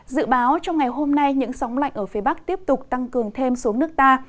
dự báo trong ngày hôm nay những sóng lạnh ở phía bắc tiếp tục tăng cường thêm xuống nước ta